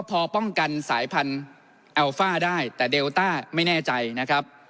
พอป้องกันสายพันธุ์แอลฟ่าได้แต่เดลต้าไม่แน่ใจนะครับ